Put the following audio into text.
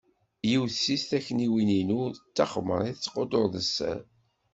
Yiwet seg takniwin-inu d taxemrit, tettqudur d sser.